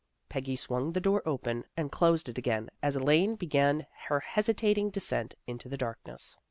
Peggy swung the door open and closed it again as Elaine began her hesitating descent into the darkness.